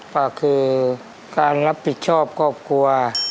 ก็คือการรับผิดชอบครอบครัว